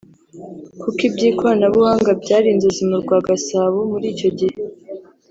kuko iby’ikoranabuhanga byari inzozi mu rwa Gasabo muri icyo gihe